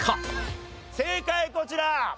正解こちら！